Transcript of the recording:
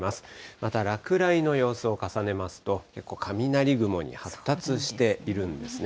また落雷の様子を重ねますと、雷雲に発達しているんですね。